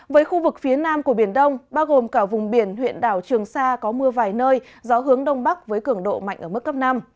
với khu vực phía nam của biển đông bao gồm cả vùng biển huyện đảo trường sa có mưa vài nơi gió hướng đông bắc với cường độ mạnh ở mức cấp năm